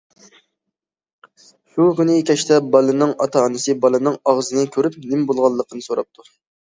شۇ كۈنى كەچتە بالىنىڭ ئاتا- ئانىسى بالىنىڭ ئاغزىنى كۆرۈپ، نېمە بولغانلىقىنى سوراپتۇ.